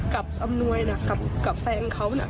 กับอำนวยนะกับแฟนเขาน่ะ